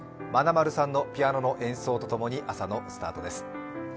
まなまるさんのピアノの演奏と共に朝のスタートです。